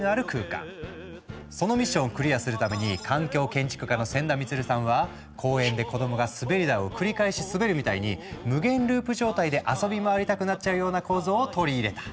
そのミッションをクリアするために環境建築家の仙田満さんは公園で子どもが滑り台を繰り返し滑るみたいに無限ループ状態で遊び回りたくなっちゃうような構造を取り入れた。